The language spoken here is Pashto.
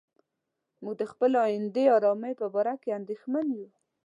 موږ د خپلې آینده آرامۍ په باره کې اندېښمن یو.